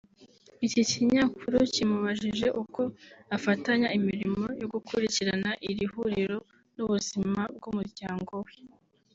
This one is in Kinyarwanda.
Iki kinyakuru kimubajije uko afatanya imirimo yo gukurikirana iri huriro n’ubuzima bw’umuryango we